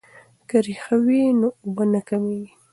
که ریښه وي نو اوبه نه کمیږي.